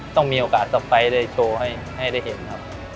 ต้องมีโอกาสสไฟล์ได้โชว์ให้ได้เห็นครับ